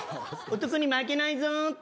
男に負けないぞーって。